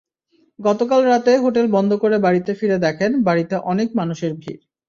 গতকাল রাতে হোটেল বন্ধ করে বাড়িতে ফিরে দেখেন, বাড়িতে অনেক মানুষের ভিড়।